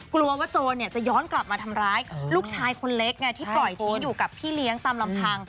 กลัวว่าโจรจะย้อนกลับมาทำร้ายลูกชายคนเล็กไงที่ปล่อยทิ้งอยู่กับพี่เลี้ยงตามลำพัง